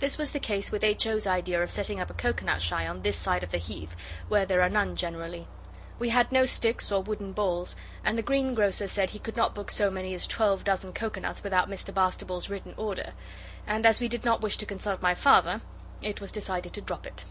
This was the case with H. O.'s idea of setting up a coconut shy on this side of the Heath, where there are none generally. We had no sticks or wooden balls, and the greengrocer said he could not book so many as twelve dozen coconuts without Mr Bastable's written order. And as we did not wish to consult my Father it was decided to drop it.